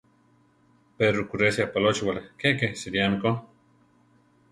Pe Rukerésia apalóchiwala keke siríame ko.